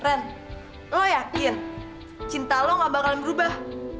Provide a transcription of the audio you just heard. lo yakin cinta lo gak bakalan berubah